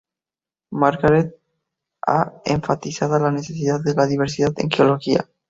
Margaret ha enfatizado la necesidad de la diversidad en geología.